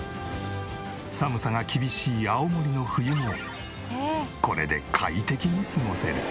寒さが厳しい青森の冬もこれで快適に過ごせる。